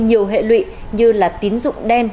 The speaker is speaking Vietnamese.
nhiều hệ lụy như là tín dụng đen